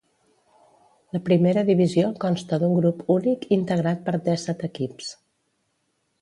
La Primera Divisió consta d'un grup únic integrat per dèsset equips.